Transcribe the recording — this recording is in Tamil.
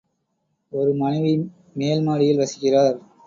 ஒரு மனைவி மேல் மாடியில் வசிக்கிறார்.